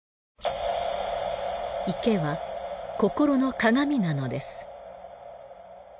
池は心の鏡なのです。